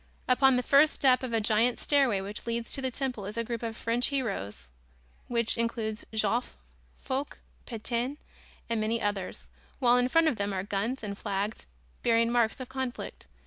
Upon the first step of a giant stairway which leads to the temple is a group of French heroes which includes Joffre, Foch, Petain and many others, while in front of them are guns and flags bearing marks of conflict.